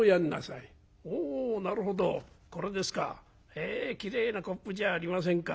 へえきれいなコップじゃありませんか。